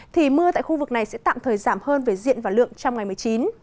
thì mưa tại khu vực này sẽ tạm thời giảm hơn về diện và lượng trong ngày một mươi chín